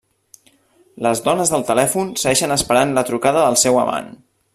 Les dones del telèfon segueixen esperant la trucada del seu amant.